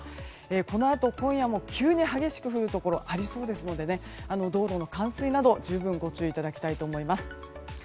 このあと今夜も急に激しく降るところがありそうですので道路の冠水など十分ご注意いただきたいと思います。